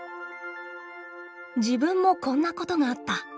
「自分もこんなことがあった！」。